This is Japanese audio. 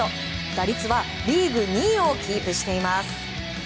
打率はリーグ２位をキープしています。